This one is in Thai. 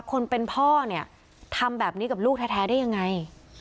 คนเป็นพ่อทำแบบนี้กับลูกแท้ได้อย่างไร